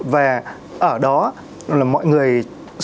và ở đó là mọi người sống